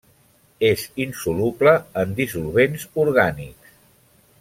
És insoluble en dissolvents orgànics.